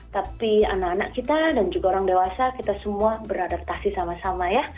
tapi anak anak kita dan juga orang dewasa kita semua beradaptasi sama sama ya